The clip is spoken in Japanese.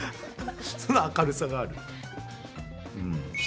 その明るさがある。